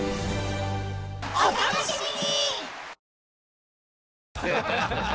お楽しみに！